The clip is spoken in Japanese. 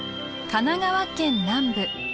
神奈川県南部。